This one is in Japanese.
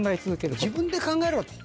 「自分で考えろ」と。